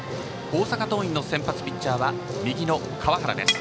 大阪桐蔭の先発ピッチャーは右の川原です。